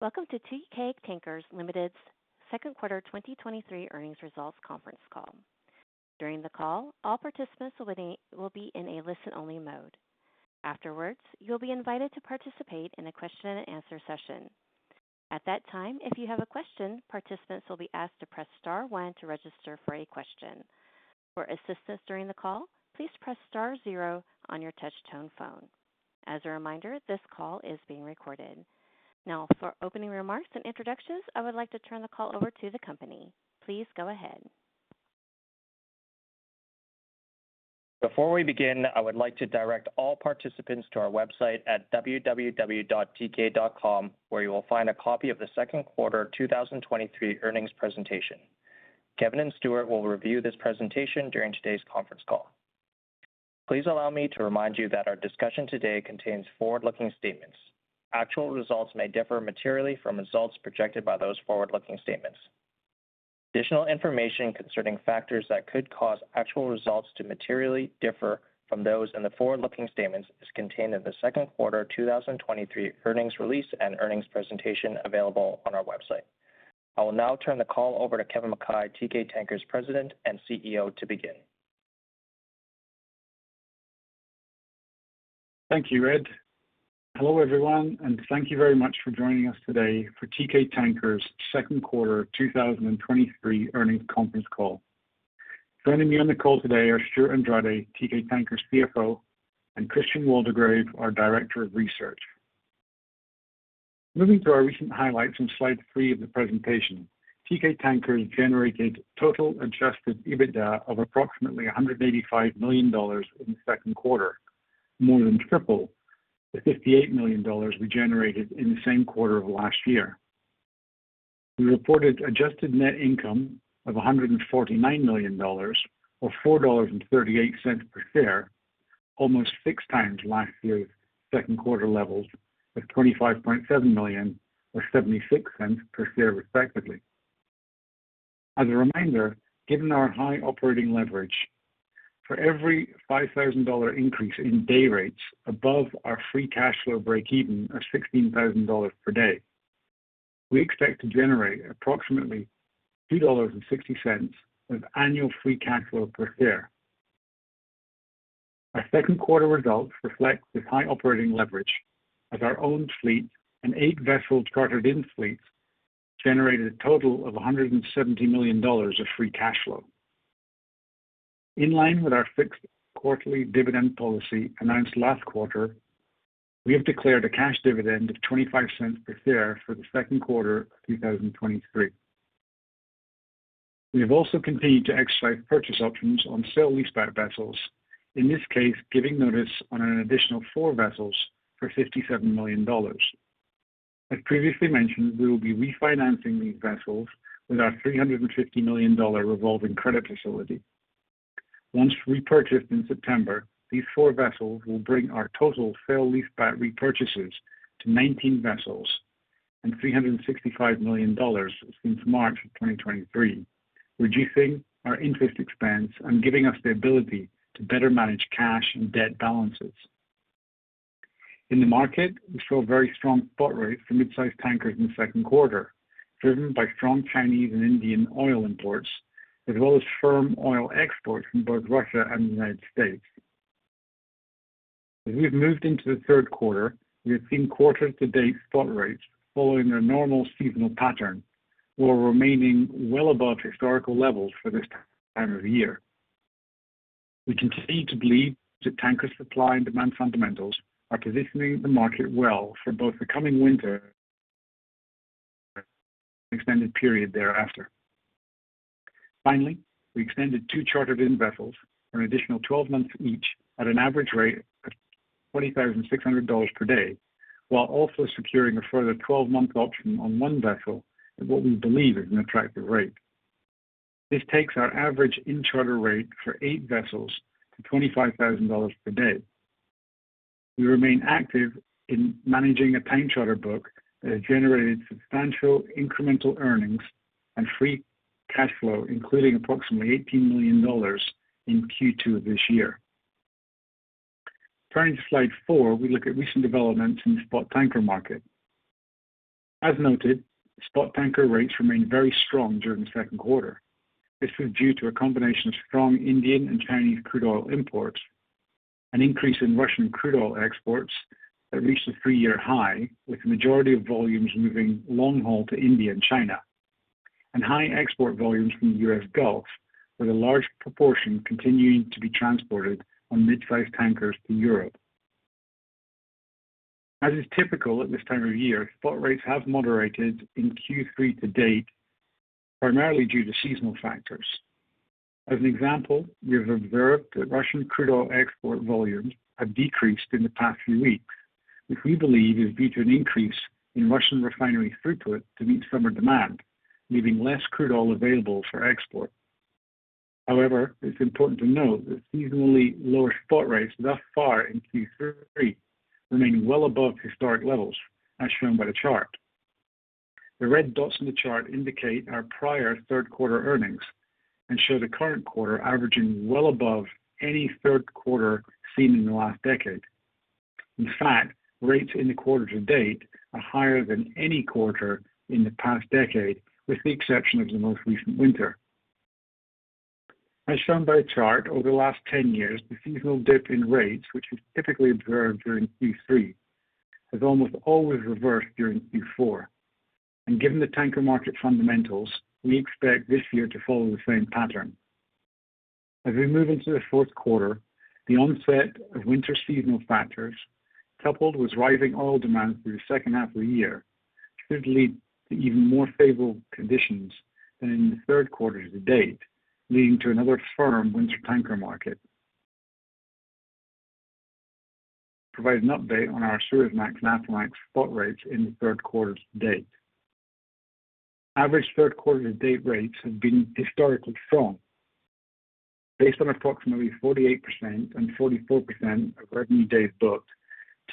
Welcome to Teekay Tankers Ltd.'s Q2 2023 earnings results conference call. During the call, all participants will be in a listen-only mode. Afterwards, you'll be invited to participate in a question and answer session. At that time, if you have a question, participants will be asked to press star one to register for a question. For assistance during the call, please press star zero on your touch tone phone. As a reminder, this call is being recorded. Now, for opening remarks and introductions, I would like to turn the call over to the company. Please go ahead. Before we begin, I would like to direct all participants to our website at www.teekay.com, where you will find a copy of the second quarter 2023 earnings presentation. Kevin and Stuart will review this presentation during today's conference call. Please allow me to remind you that our discussion today contains forward-looking statements. Actual results may differ materially from results projected by those forward-looking statements. Additional information concerning factors that could cause actual results to materially differ from those in the forward-looking statements is contained in the second quarter 2023 earnings release and earnings presentation available on our website. I will now turn the call over to Kevin Mackay, Teekay Tankers President and CEO, to begin. Thank you, Ed. Hello, everyone, thank you very much for joining us today for Teekay Tankers' second quarter 2023 earnings conference call. Joining me on the call today are Stewart Andrade, Teekay Tankers CFO, and Christian Waldegrave, our Director of Research. Moving to our recent highlights on slide 3 of the presentation, Teekay Tankers generated total Adjusted EBITDA of approximately $185 million in the second quarter, more than triple the $58 million we generated in the same quarter of last year. We reported Adjusted net income of $149 million, or $4.38 per share, almost six times last year's second quarter levels of $25.7 million, or $0.76 per share, respectively. As a reminder, given our high operating leverage, for every $5,000 increase in day rates above our free cash flow breakeven of $16,000 per day, we expect to generate approximately $2.60 of annual free cash flow per share. Our second quarter results reflect this high operating leverage, as our own fleet and eight vessels chartered in fleets generated a total of $170 million of free cash flow. In line with our fixed quarterly dividend policy announced last quarter, we have declared a cash dividend of $0.25 per share for the second quarter of 2023. We have also continued to exercise purchase options on sale-leaseback vessels, in this case, giving notice on an additional four vessels for $57 million. As previously mentioned, we will be refinancing these vessels with our $350 million revolving credit facility. Once repurchased in September, these four vessels will bring our total sale-leaseback repurchases to 19 vessels and $365 million since March of 2023, reducing our interest expense and giving us the ability to better manage cash and debt balances. In the market, we saw very strong spot rates for mid-size tankers in the second quarter, driven by strong Chinese and Indian oil imports, as well as firm oil exports from both Russia and the United States. As we've moved into the third quarter, we have seen quarter-to-date spot rates following their normal seasonal pattern, while remaining well above historic levels for this time of the year. We continue to believe that tanker supply and demand fundamentals are positioning the market well for both the coming winter and an extended period thereafter. We extended 2 chartered-in vessels for an additional 12 months each at an average rate of $20,600 per day, while also securing a further 12-month option on 1 vessel at what we believe is an attractive rate. This takes our average in-charter rate for 8 vessels to $25,000 per day. We remain active in managing a time charter book that has generated substantial incremental earnings and free cash flow, including approximately $18 million in Q2 of this year. Turning to slide 4, we look at recent developments in the spot tanker market. As noted, spot tanker rates remained very strong during the second quarter. This was due to a combination of strong Indian and Chinese crude oil imports, an increase in Russian crude oil exports that reached a three-year high, with the majority of volumes moving long haul to India and China, and high export volumes from the US Gulf, with a large proportion continuing to be transported on mid-size tankers to Europe. As is typical at this time of year, spot rates have moderated in Q3 to date, primarily due to seasonal factors. As an example, we have observed that Russian crude oil export volumes have decreased in the past few weeks, which we believe is due to an increase in Russian refinery throughput to meet summer demand, leaving less crude oil available for export. It's important to note that seasonally lower spot rates thus far in Q3 remain well above historic levels, as shown by the chart. The red dots on the chart indicate our prior third quarter earnings, and show the current quarter averaging well above any third quarter seen in the past decade. In fact, rates in the quarter to date are higher than any quarter in the past decade, with the exception of the most recent winter. As shown by the chart, over the last ten years, the seasonal dip in rates, which is typically observed during Q3, has almost always reversed during Q4. Given the tanker market fundamentals, we expect this year to follow the same pattern. As we move into the fourth quarter, the onset of winter seasonal factors, coupled with rising oil demand through the second half of the year, should lead to even more favorable conditions than in the third quarter to date, leading to another firm winter tanker market. Provide an update on our Suezmax and Aframax spot rates in the third quarter to date. Average third quarter to date rates have been historically strong. Based on approximately 48% and 44% of revenue days booked,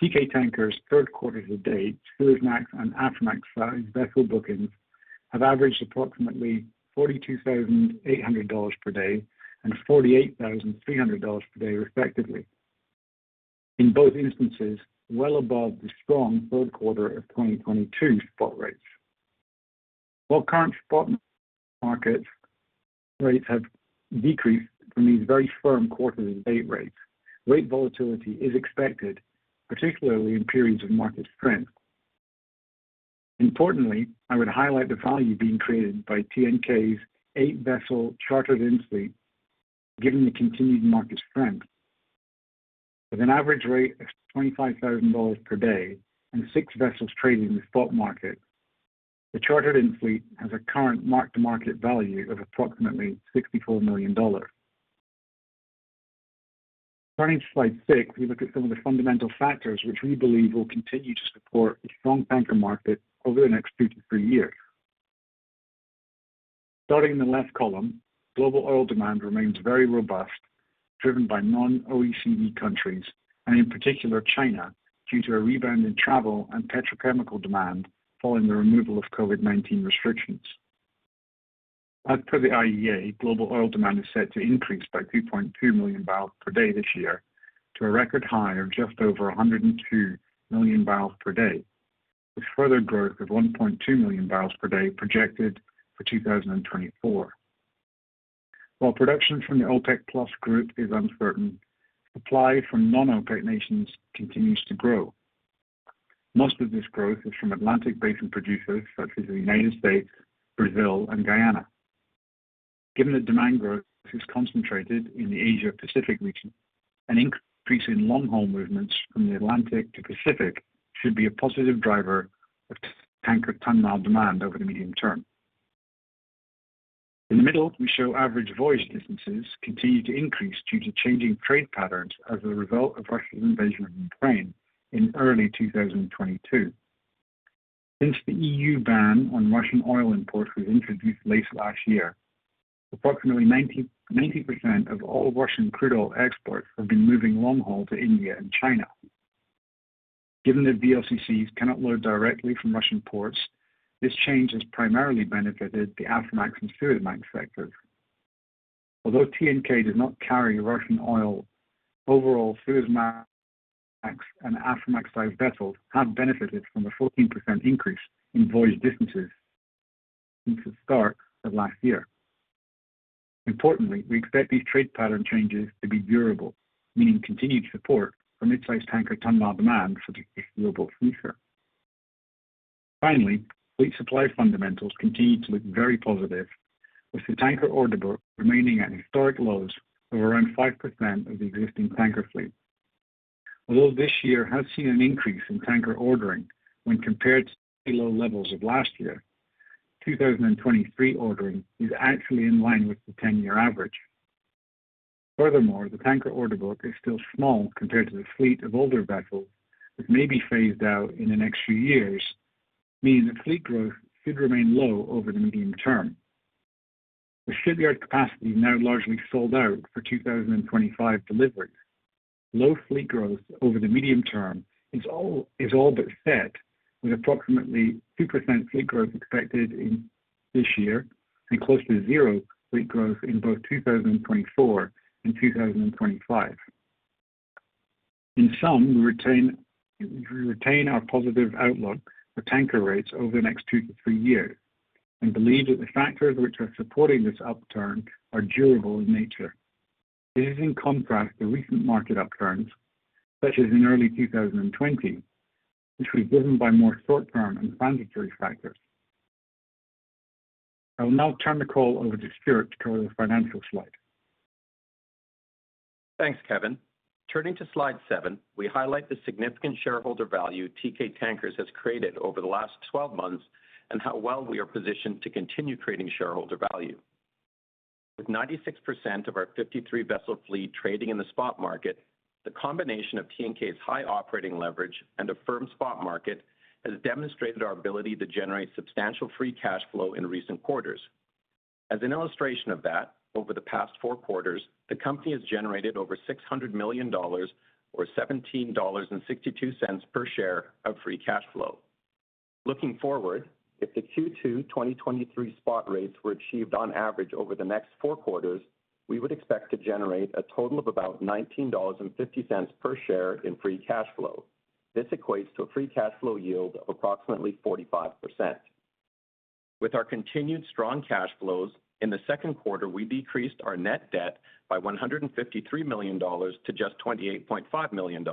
TK Tankers' third quarter to date, Suezmax and Aframax-sized vessel bookings have averaged approximately $42,800 per day and $48,300 per day, respectively. In both instances, well above the strong third quarter of 2022 spot rates. While current spot market rates have decreased from these very firm quarter to date rates, rate volatility is expected, particularly in periods of market strength. Importantly, I would highlight the value being created by TNK's eight-vessel chartered-in fleet, given the continued market strength. With an average rate of $25,000 per day and six vessels trading in the spot market, the chartered-in fleet has a current mark-to-market value of approximately $64 million. Turning to Slide 6, we look at some of the fundamental factors which we believe will continue to support a strong tanker market over the next two to three years. Starting in the left column, global oil demand remains very robust, driven by non-OECD countries, and in particular, China, due to a rebound in travel and petrochemical demand following the removal of COVID-19 restrictions. As per the IEA, global oil demand is set to increase by 2.2 million barrels per day this year to a record high of just over 102 million barrels per day, with further growth of 1.2 million barrels per day projected for 2024. While production from the OPEC Plus group is uncertain, supply from non-OPEC nations continues to grow. Most of this growth is from Atlantic Basin producers such as the United States, Brazil, and Guyana. Given that demand growth is concentrated in the Asia-Pacific region, an increase in long-haul movements from the Atlantic to Pacific should be a positive driver of tanker ton-mile demand over the medium term. In the middle, we show average voyage distances continue to increase due to changing trade patterns as a result of Russia's invasion of Ukraine in early 2022. Since the EU ban on Russian oil imports was introduced late last year, approximately 90% of all Russian crude oil exports have been moving long haul to India and China. Given that VLCCs cannot load directly from Russian ports, this change has primarily benefited the Aframax and Suezmax sectors. Although TNK does not carry Russian oil, overall, Suezmax and Aframax-sized vessels have benefited from a 14% increase in voyage distances since the start of last year. Importantly, we expect these trade pattern changes to be durable, meaning continued support for mid-sized tanker ton-mile demand for the foreseeable future. Finally, fleet supply fundamentals continue to look very positive, with the tanker order book remaining at historic lows of around 5% of the existing tanker fleet. Although this year has seen an increase in tanker ordering when compared to the low levels of last year, 2023 ordering is actually in line with the 10-year average. Furthermore, the tanker order book is still small compared to the fleet of older vessels that may be phased out in the next few years, meaning that fleet growth should remain low over the medium term. With shipyard capacity now largely sold out for 2025 deliveries, low fleet growth over the medium term is all but set, with approximately 2% fleet growth expected in this year and close to zero fleet growth in both 2024 and 2025. In sum, we retain our positive outlook for tanker rates over the next two to three years and believe that the factors which are supporting this upturn are durable in nature. This is in contrast to recent market upturns, such as in early 2020, which was driven by more short-term and transitory factors. I will now turn the call over to Stuart to cover the financial slide. Thanks, Kevin. Turning to slide seven, we highlight the significant shareholder value TK Tankers has created over the last 12 months and how well we are positioned to continue creating shareholder value. With 96% of our 53 vessel fleet trading in the spot market, the combination of TNK's high operating leverage and a firm spot market has demonstrated our ability to generate substantial free cash flow in recent quarters. As an illustration of that, over the past 4 quarters, the company has generated over $600 million or $17.62 per share of free cash flow. Looking forward, if the Q2 2023 spot rates were achieved on average over the next 4 quarters, we would expect to generate a total of about $19.50 per share in free cash flow. This equates to a free cash flow yield of approximately 45%. With our continued strong cash flows, in the second quarter, we decreased our net debt by $153 million to just $28.5 million.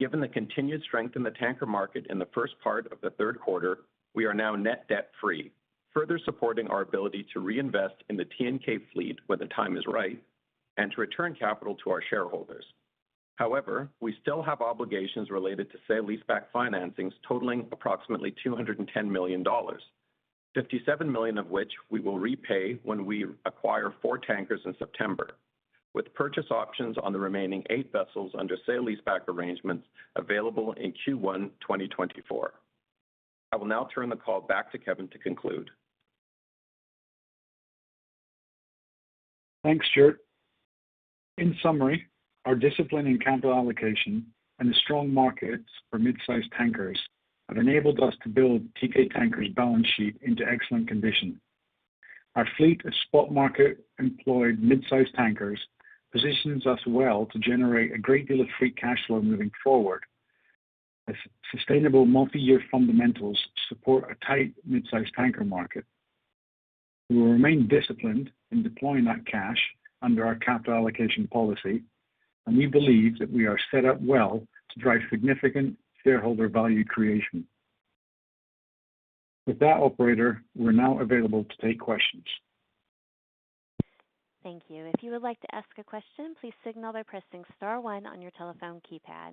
Given the continued strength in the tanker market in the first part of the third quarter, we are now net debt-free, further supporting our ability to reinvest in the TNK fleet when the time is right and to return capital to our shareholders. However, we still have obligations related to sale-leaseback financings totaling approximately $210 million, $57 million of which we will repay when we acquire 4 tankers in September, with purchase options on the remaining 8 vessels under sale-leaseback arrangements available in Q1 2024. I will now turn the call back to Kevin to conclude. Thanks, Stuart. In summary, our discipline in capital allocation and the strong markets for mid-sized tankers have enabled us to build Teekay Tankers' balance sheet into excellent condition. Our fleet of spot market-employed mid-sized tankers positions us well to generate a great deal of free cash flow moving forward. As sustainable multi-year fundamentals support a tight mid-sized tanker market, we will remain disciplined in deploying that cash under our capital allocation policy, and we believe that we are set up well to drive significant shareholder value creation. With that, operator, we're now available to take questions. Thank you. If you would like to ask a question, please signal by pressing star one on your telephone keypad.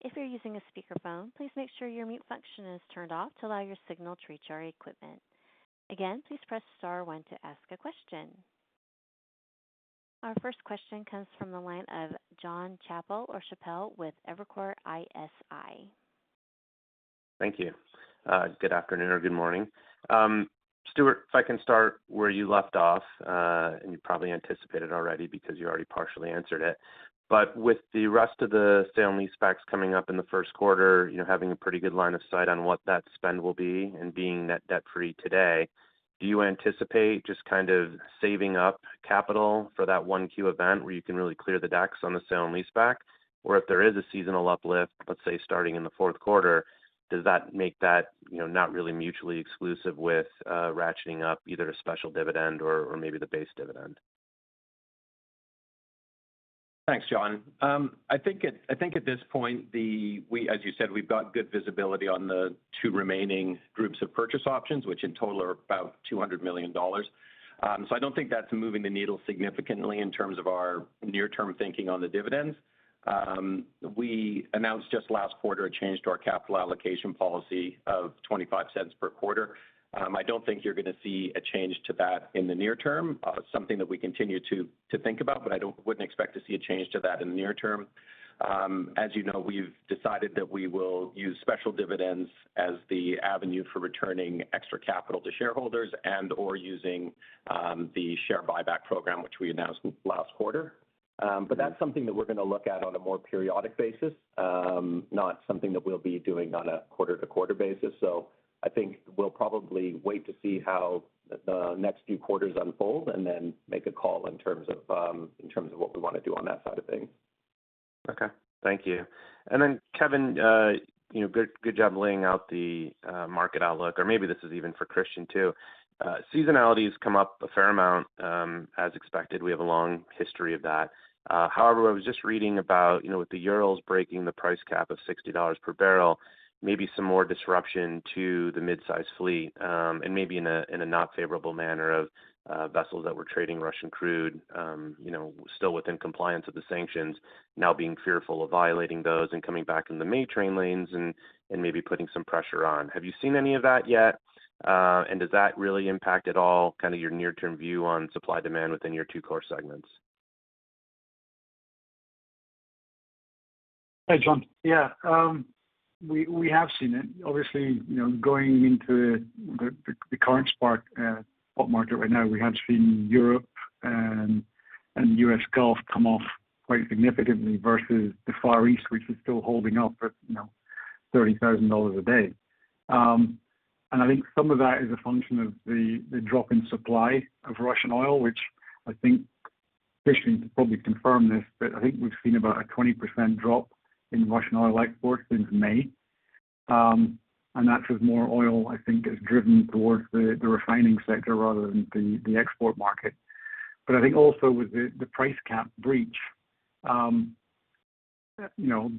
If you're using a speakerphone, please make sure your mute function is turned off to allow your signal to reach our equipment. Again, please press star one to ask a question. Our first question comes from the line of John Chappell or Chappell with Evercore ISI. Thank you. good afternoon or good morning. Stuart, if I can start where you left off, and you probably anticipated already because you already partially answered it. With the rest of the sale and lease backs coming up in the first quarter, you know, having a pretty good line of sight on what that spend will be and being net debt-free today, do you anticipate just kind of saving up capital for that one Q event where you can really clear the decks on the sale and lease back? If there is a seasonal uplift, let's say, starting in the fourth quarter, does that make that, you know, not really mutually exclusive with ratcheting up either a special dividend or, or maybe the base dividend? Thanks, John. I think at this point, We, as you said, we've got good visibility on the two remaining groups of purchase options, which in total are about $200 million. I don't think that's moving the needle significantly in terms of our near-term thinking on the dividends. We announced just last quarter a change to our capital allocation policy of $0.25 per quarter. I don't think you're going to see a change to that in the near term. Something that we continue to think about, but I wouldn't expect to see a change to that in the near term. As you know, we've decided that we will use special dividends as the avenue for returning extra capital to shareholders and/or using the share buyback program, which we announced last quarter. That's something that we're going to look at on a more periodic basis, not something that we'll be doing on a quarter-to-quarter basis. I think we'll probably wait to see how the, the next few quarters unfold, and then make a call in terms of, in terms of what we want to do on that side of things. Okay. Thank you. Then, Kevin, you know, good, good job laying out the market outlook, or maybe this is even for Christian, too. Seasonality has come up a fair amount. As expected, we have a long history of that. I was just reading about, you know, with the Urals breaking the price cap of $60 per barrel, maybe some more disruption to the mid-size fleet, and maybe in a, in a not favorable manner of vessels that were trading Russian crude, you know, still within compliance with the sanctions, now being fearful of violating those and coming back in the main train lanes and, and maybe putting some pressure on. Have you seen any of that yet? Does that really impact at all, kind of your near-term view on supply-demand within your two core segments? Hi, John. Yeah, we, we have seen it. Obviously, you know, going into the, the, the current spot spot market right now, we have seen Europe and US Gulf come off quite significantly versus the Far East, which is still holding up at, you know, $30,000 per day. And I think some of that is a function of the, the drop in supply of Russian oil, which I think Christian Waldegrave can probably confirm this, but I think we've seen about a 20% drop in Russian oil exports since May. And that's as more oil, I think, is driven towards the, the refining sector rather than the, the export market. I think also with the, the price cap breach, you know,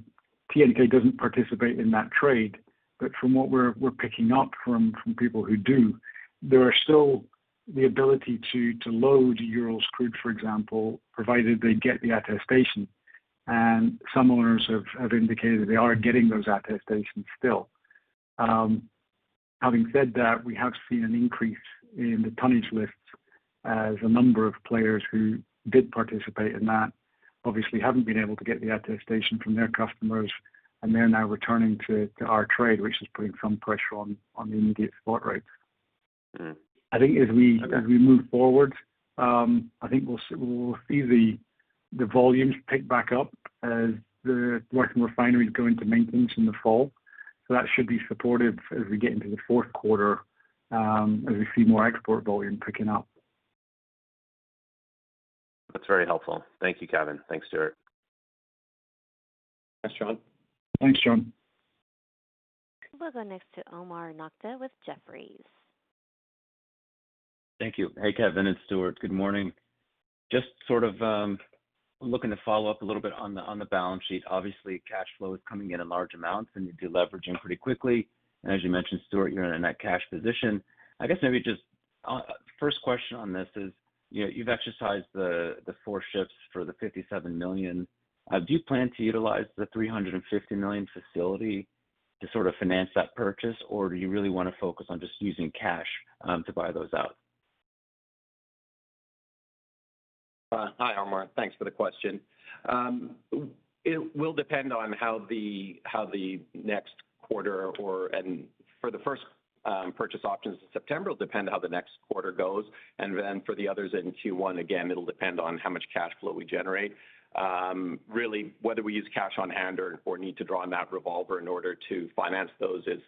TNK doesn't participate in that trade, but from what we're, we're picking up from, from people who do, there are still the ability to, to load Urals crude, for example, provided they get the attestation. Some owners have, have indicated that they are getting those attestations still. Having said that, we have seen an increase in the tonnage lifts as a number of players who did participate in that obviously haven't been able to get the attestation from their customers, and they're now returning to, to our trade, which is putting some pressure on, on the immediate spot rates. I think as we, as we move forward, I think we'll, we'll see the, the volumes pick back up as the working refineries go into maintenance in the fall. That should be supportive as we get into the fourth quarter, as we see more export volume picking up. That's very helpful. Thank you, Kevin. Thanks, Stuart. Thanks, John. Thanks, John. We'll go next to Omar Nokta with Jefferies. Thank you. Hey, Kevin and Stuart, good morning. Just sort of looking to follow up a little bit on the balance sheet. Obviously, cash flow is coming in in large amounts, and you're deleveraging pretty quickly. As you mentioned, Stuart, you're in a net cash position. I guess maybe just first question on this is, you know, you've exercised the four ships for $57 million. Do you plan to utilize the $350 million facility to sort of finance that purchase, or do you really want to focus on just using cash to buy those out? Hi, Omar. Thanks for the question. It will depend on how the next quarter or, and for the first, purchase options in September, it'll depend on how the next quarter goes. Then for the others in Q1, again, it'll depend on how much cash flow we generate. Really, whether we use cash on hand or need to draw on that revolver in order to finance those is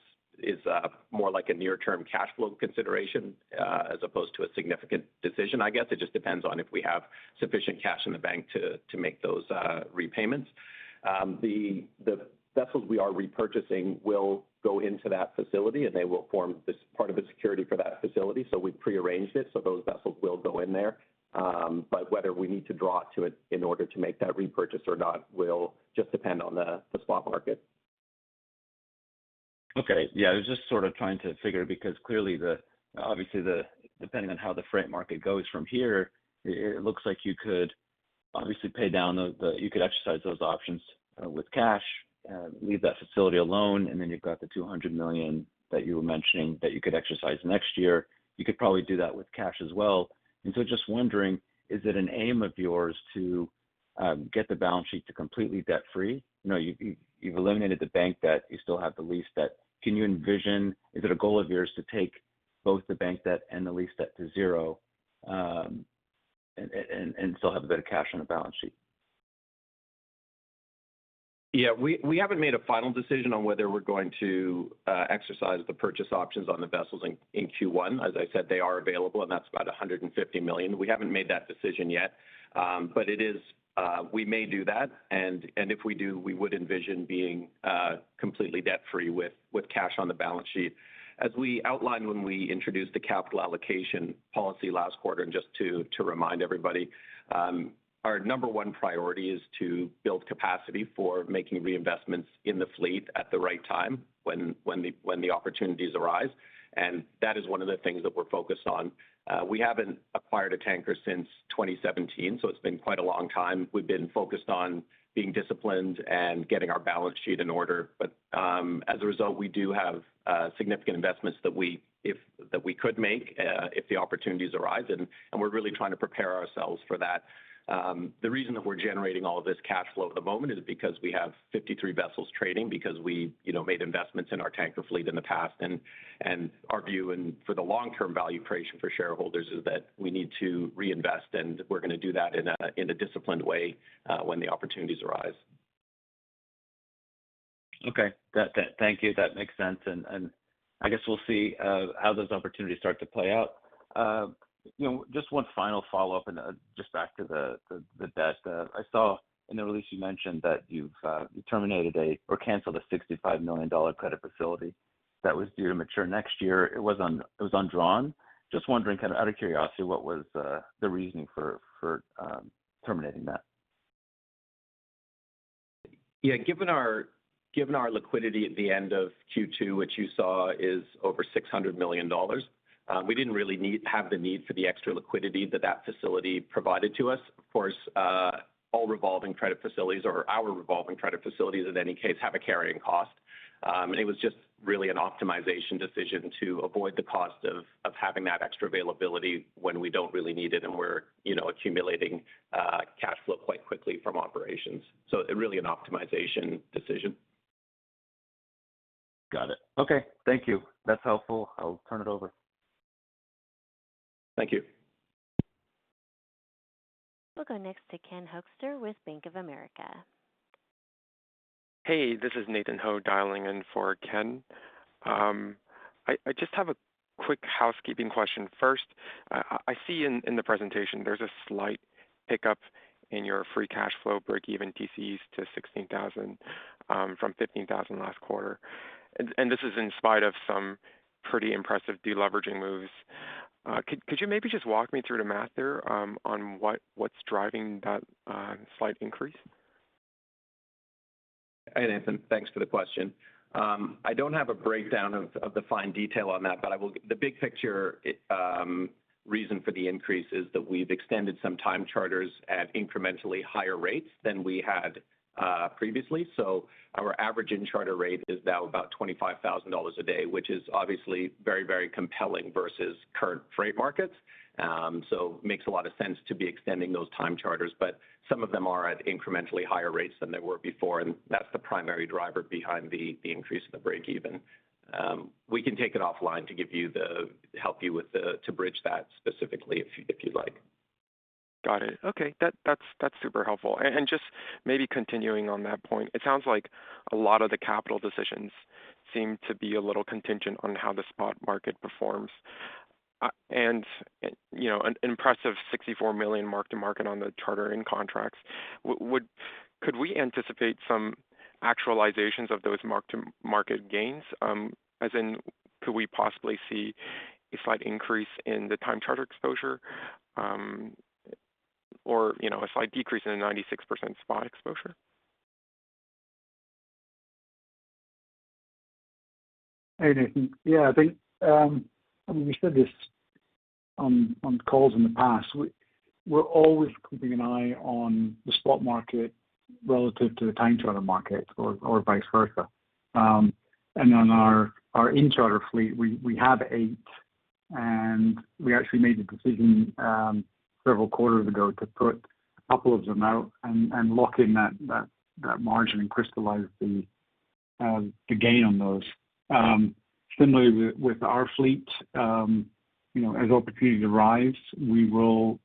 more like a near-term cash flow consideration, as opposed to a significant decision. I guess it just depends on if we have sufficient cash in the bank to make those repayments. The vessels we are repurchasing will go into that facility, and they will form this part of the security for that facility. We've prearranged it, so those vessels will go in there. whether we need to draw to it in order to make that repurchase or not, will just depend on the, the spot market. Okay. Yeah, I was just sort of trying to figure, because clearly the. Obviously, the depending on how the freight market goes from here, it, it looks like you could obviously pay down the, you could exercise those options with cash, leave that facility alone, and then you've got the $200 million that you were mentioning that you could exercise next year. You could probably do that with cash as well. So just wondering, is it an aim of yours to get the balance sheet to completely debt-free? You know, you, you've eliminated the bank debt, you still have the lease debt. Can you envision, is it a goal of yours to take both the bank debt and the lease debt to 0, and still have a bit of cash on the balance sheet? Yeah, we, we haven't made a final decision on whether we're going to exercise the purchase options on the vessels in Q1. As I said, they are available, and that's about $150 million. We haven't made that decision yet, but it is, we may do that. If we do, we would envision being completely debt-free with cash on the balance sheet. As we outlined when we introduced the capital allocation policy last quarter, just to remind everybody, our number one priority is to build capacity for making reinvestments in the fleet at the right time when the opportunities arise, and that is one of the things that we're focused on. We haven't acquired a tanker since 2017, so it's been quite a long time. We've been focused on being disciplined and getting our balance sheet in order. As a result, we do have significant investments that we could make if the opportunities arise, and we're really trying to prepare ourselves for that. The reason that we're generating all of this cash flow at the moment is because we have 53 vessels trading, because we, you know, made investments in our tanker fleet in the past. Our view, and for the long-term value creation for shareholders, is that we need to reinvest, and we're going to do that in a disciplined way, when the opportunities arise. Okay. Thank you. That makes sense, and I guess we'll see how those opportunities start to play out. You know, just one final follow-up and just back to the debt. I saw in the release you mentioned that you've you terminated a or canceled a $65 million credit facility that was due to mature next year. It was undrawn. Just wondering, kind of out of curiosity, what was the reasoning for terminating that? Yeah, given our, given our liquidity at the end of Q2, which you saw is over $600 million, we didn't really have the need for the extra liquidity that that facility provided to us. Of course, all revolving credit facilities or our revolving credit facilities, in any case, have a carrying cost. It was just really an optimization decision to avoid the cost of, of having that extra availability when we don't really need it, and we're, you know, accumulating cash flow quite quickly from operations. Really an optimization decision. Got it. Okay, thank you. That's helpful. I'll turn it over. Thank you. We'll go next to Ken Hoexter with Bank of America. Hey, this is Nathan Ho dialing in for Ken. I just have a quick housekeeping question first. I see in the presentation there's a slight pickup in your free cash flow breakeven DCs to $16,000, from $15,000 last quarter, and this is in spite of some pretty impressive deleveraging moves. Could you maybe just walk me through the math there, on what's driving that slight increase? Hey, Nathan, thanks for the question. I don't have a breakdown of, of the fine detail on that, but I will, the big picture, reason for the increase is that we've extended some time charters at incrementally higher rates than we had previously. Our average in charter rate is now about $25,000 per day, which is obviously very, very compelling versus current freight markets. Makes a lot of sense to be extending those time charters, but some of them are at incrementally higher rates than they were before, and that's the primary driver behind the, the increase in the break even. We can take it offline to give you the, help you with the, to bridge that specifically, if you, if you'd like. Got it. Okay, that, that's, that's super helpful. Just maybe continuing on that point, it sounds like a lot of the capital decisions seem to be a little contingent on how the spot market performs. You know, an impressive $64 million mark-to-market on the chartered-in contracts. Could we anticipate some actualizations of those mark-to-market gains? As in, could we possibly see a slight increase in the time charter exposure, or, you know, a slight decrease in the 96% spot exposure? Hey, Nathan. Yeah, I think, I mean, we said this on, on calls in the past. We, we're always keeping an eye on the spot market relative to the time charter market or, or vice versa. On our, our in-charter fleet, we, we have eight, and we actually made the decision, several quarters ago to put a couple of them out and, and lock in that, that, that margin and crystallize the, the gain on those. Similarly with, with our fleet, you know, as opportunity arrives, we will,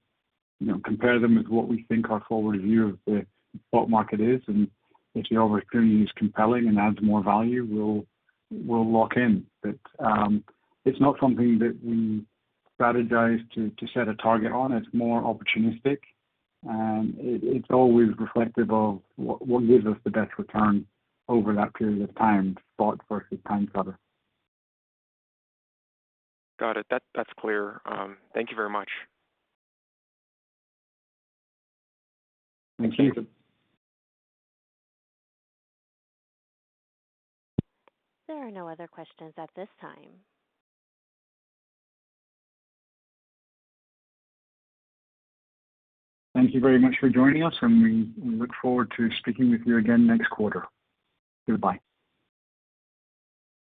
you know, compare them with what we think our forward view of the spot market is, and if the opportunity is compelling and adds more value, we'll, we'll lock in. It's not something that we strategize to, to set a target on. It's more opportunistic, and it's always reflective of what, what gives us the best return over that period of time, spot versus time charter. Got it. That's, that's clear. Thank you very much. Thank you. There are no other questions at this time. Thank you very much for joining us, and we, we look forward to speaking with you again next quarter. Goodbye.